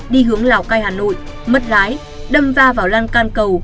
đi hướng lào cai hà nội mất lái đâm va vào lan can cầu